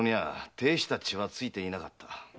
たいした血は付いていなかった。